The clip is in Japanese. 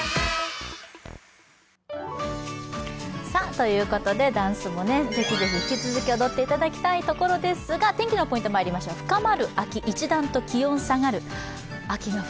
ということで、ダンスもぜひぜひ引き続き踊っていただきたいところですが天気のポイントまいりましょう、深まる秋、一段と気温さがる。